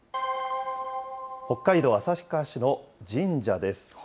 北海道旭川市の神社です。